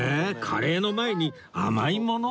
カレーの前に甘いもの？